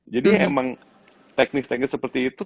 jadi emang teknis teknis seperti itu